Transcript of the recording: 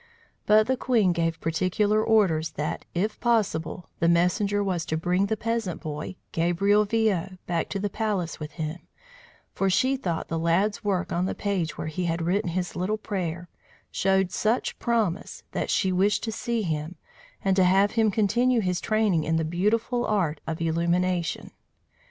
But the queen gave particular orders that, if possible, the messenger was to bring the peasant boy, Gabriel Viaud, back to the palace with him; for she thought the lad's work on the page where he had written his little prayer showed such promise that she wished to see him, and to have him continue his training in the beautiful art of illumination.